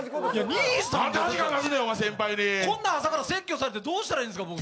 兄さんがこんな朝から説教されてどうしたらいいんですか。